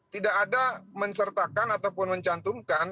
tidak ada mensertakan ataupun mencantumkan